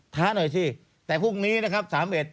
ท้าหน่อยสิแต่พรุ่งนี้นะครับ๓๑